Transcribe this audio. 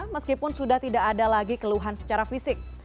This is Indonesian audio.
meskipun sudah tidak ada lagi keluhan secara fisik